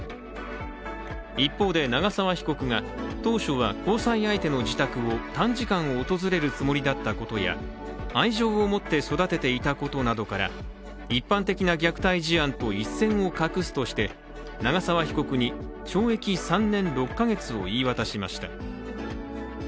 一方で長沢被告が当初は交際相手の自宅を短時間訪れるつもりだったことや、愛情を持って育てていたことなどから一般的な虐待事例と一線を画すとして長沢被告に懲役３年６か月を言い渡しました。